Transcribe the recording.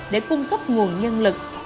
để cung cấp nguồn nhân lực